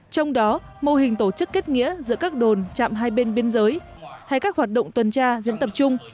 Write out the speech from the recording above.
trong đó mô hình tổ chức kết nghĩa giữa các đồn trạm hai bên biên giới hay các hoạt động tuần tra diễn tập chung